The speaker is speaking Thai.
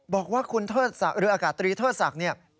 บอกว่าอากาศตรีเทิดศักดิ์